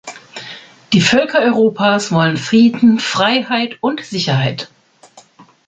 Die Völker Europas wollen Frieden, Freiheit und Sicherheit.